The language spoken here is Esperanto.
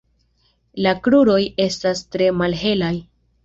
La kruroj estas tre malhelaj.